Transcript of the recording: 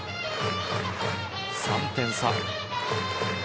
３点差。